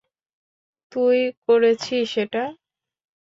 তুই করেছিস এটা?